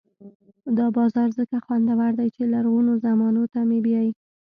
دا بازار ځکه خوندور دی چې لرغونو زمانو ته مې بیايي.